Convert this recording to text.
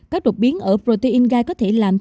các đột biến ở protein guy có thể làm thay